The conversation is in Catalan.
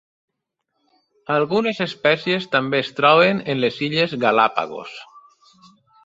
Algunes espècies també es troben en les Illes Galápagos.